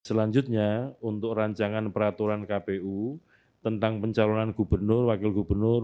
selanjutnya untuk rancangan peraturan kpu tentang pencalonan gubernur wakil gubernur